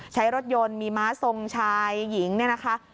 ใช้รถยนต์มีม้าทรงชายหญิงเนี่ยนะคะ